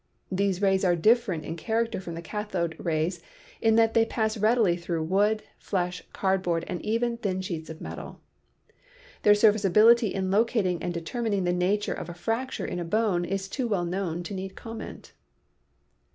These rays are different in character from the cathode rays in that they pass readily through wood, flesh, cardboard and even thin sheets of metal. Their serviceability in locating and deter mining the nature of a fracture in a bone is too well known to need comment.